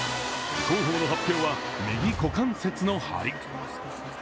広報の発表は右股関節の張り。